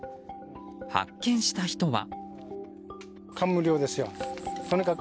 発見した人は。